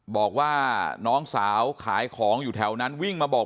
บอกว่าน้องสาวขายของอยู่แถวนั้นวิ่งมาบอก